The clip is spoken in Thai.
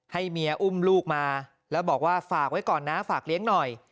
ให้เมียอุ้มลูกมาแล้วบอกว่าฝากไว้ก่อนนะฝากเลี้ยงหน่อย